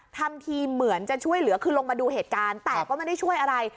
ทำทีเหมือนจะช่วยเหลือคือลงมาดูเหตุการณ์แต่ก็ไม่ได้ช่วยอะไร